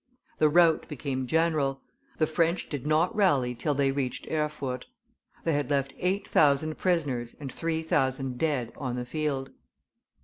The rout became general; the French did not rally till they reached Erfurt; they had left eight thousand prisoners and three thousand dead on the field.